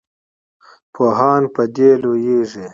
پوهان په دې لویږي.